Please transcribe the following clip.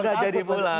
gak jadi pulang